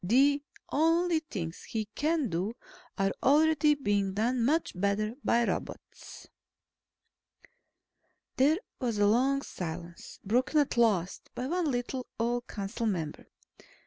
The only things he can do, are already being done much better by robots." There was a long silence, broken at last by one little, old council member.